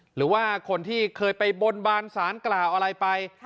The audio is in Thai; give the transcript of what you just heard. หรือว่าคนที่เคยไปบนบานสารกล่าวอะไรไป